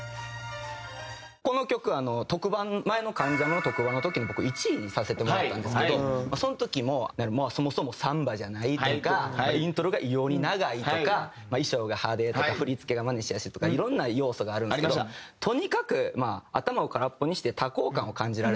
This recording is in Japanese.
この曲特番前の『関ジャム』の特番の時に僕１位にさせてもらったんですけどその時も「そもそもサンバじゃない」とか「イントロが異様に長い」とか「衣装が派手」とか「振り付けがまねしやすい」とかいろんな要素があるんですけどとにかく頭を空っぽにして多幸感を感じられると。